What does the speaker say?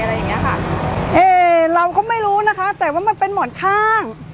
อะไรอย่างเงี้ยค่ะเอ๊เราก็ไม่รู้นะคะแต่ว่ามันเป็นหมอนข้าง